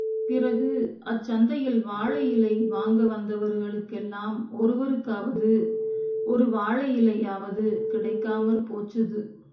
பிறகு அச் சந்தையில் வாழை இலை வாங்க வந்தவர்களுக்கெல்லாம் ஒருவருக்காவது, ஒரு வாழையிலை யாவது கிடைக்காமற் போச்சுது!